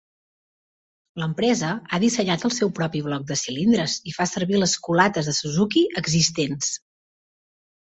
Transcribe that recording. L'empresa ha dissenyat el seu propi bloc de cilindres i fa servir les culates de Suzuki existents.